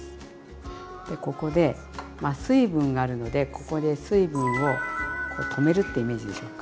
ここで水分があるのでここで水分を止めるってイメージでしょうか。